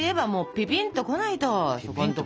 ピピンとこないと？